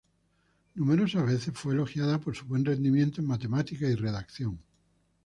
Numerosas veces fue elogiada por su buen rendimiento en matemáticas y redacción.